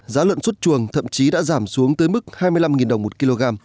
giá lợn xuất chuồng thậm chí đã giảm xuống tới mức hai mươi năm đồng một kg